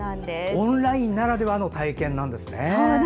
オンラインならではの体験なんですね。